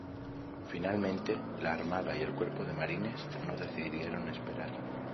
Finalmente, la Armada y el Cuerpo de Marines no decidieron esperar.